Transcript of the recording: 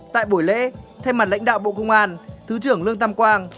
tại buổi lễ thay mặt lãnh đạo bộ công an thứ trưởng lương tam quang